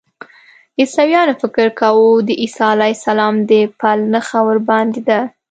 عیسویانو فکر کاوه د عیسی علیه السلام د پل نښه ورباندې وه.